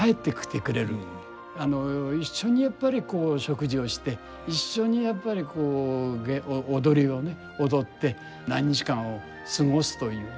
一緒にやっぱり食事をして一緒にやっぱり踊りをね踊って何日間を過ごすというね。